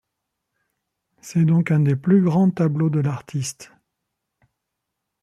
C'est donc un des plus grands tableaux de l'artiste.